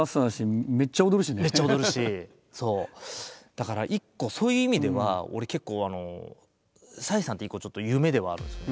だから一個そういう意味では俺結構ＰＳＹさんって一個ちょっと夢ではあるんですよ